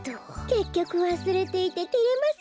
けっきょくわすれていててれますねえ。